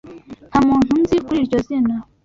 Nta muntu nzi kuri iryo zina.